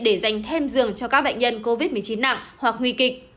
để dành thêm giường cho các bệnh nhân covid một mươi chín nặng hoặc nguy kịch